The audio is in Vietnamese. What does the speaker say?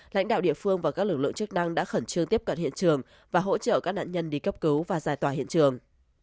lãnh đạo địa phương và các lực lượng chức năng đã khẩn trương tiếp cận hiện trường và hỗ trợ các nạn nhân đi cấp cứu và giải tỏa hiện trường